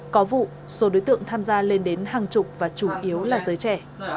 có vụ số đối tượng tham gia lên đến hàng chục và chủ yếu là giới trẻ